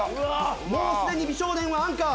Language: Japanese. もうすでに美少年はアンカー！